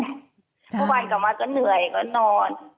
เพราะวันอีกกลับมาก็เหนื่อยก็นอน